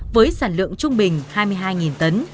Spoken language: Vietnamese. với sản lượng trung bình hai mươi hai tấn